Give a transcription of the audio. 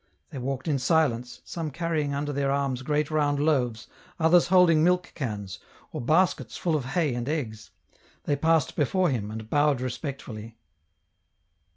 They walked in silence, some carrying under their arms great round loaves, others holding milk cans, or baskets full of hay and eggs ; they passed before him, and bowed respect fully.